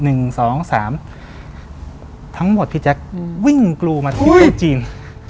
หนึ่งสองสามทั้งหมดพี่แจ็คอืมวิ่งกลูมาที่โต๊ะจีนอุ้ย